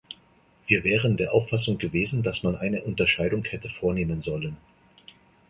Wir wären der Auffassung gewesen, dass man eine Unterscheidung hätte vornehmen sollen.